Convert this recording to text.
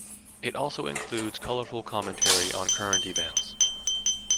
It also includes colorful commentary on current events.